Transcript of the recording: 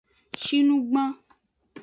Shinugban.